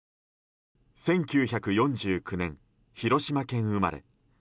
１９４９年、広島県生まれ。